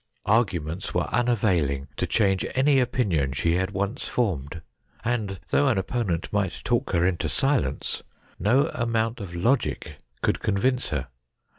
Arguments were unavailing to change any opinion she had once formed ; and though an opponent might talk her into silence, no amount of logic could convince her.